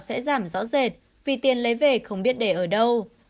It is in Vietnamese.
tình trạng lừa đảo sẽ giảm rõ rệt vì tiền lấy về không biết để ở đâu